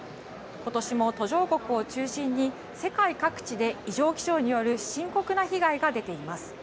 今年も途上国を中心に世界各地で異常気象による深刻な被害が出ています。